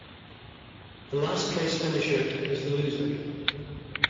The last-place finisher is the loser.